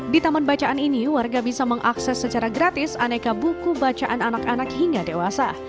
di taman bacaan ini warga bisa mengakses secara gratis aneka buku bacaan anak anak hingga dewasa